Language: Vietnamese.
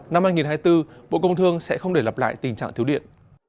năm hai nghìn hai mươi bốn bộ công thương sẽ không để lặp lại tình trạng thiếu điện